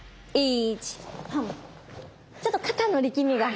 １ちょっと肩の力みが。